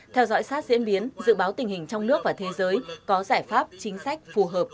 theo dõi sát diễn biến dự báo tình hình trong nước và thế giới có giải pháp chính sách phù hợp